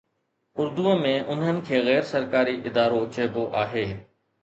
اردوءَ ۾ انهن کي غير سرڪاري ادارو چئبو آهي.